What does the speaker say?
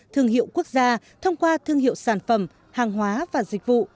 thương hiệu quốc gia thông qua thương hiệu sản phẩm hàng hóa và dịch vụ